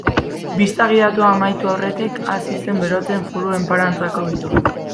Bisita gidatua amaitu aurretik hasi zen berotzen Foru Enparantzako giroa.